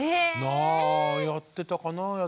あぁやってたかなぁ。